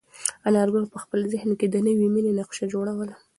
انارګل په خپل ذهن کې د نوې مېنې نقشه جوړوله.